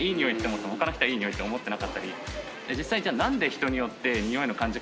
実際じゃあ。